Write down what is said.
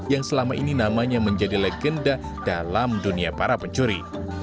yang selama ini namanya menjadi legenda dalam dunia para pencuri